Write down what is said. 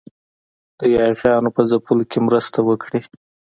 د یاغیانو په ځپلو کې مرسته وکړي.